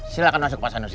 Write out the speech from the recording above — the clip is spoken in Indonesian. silahkan masuk pak sanusi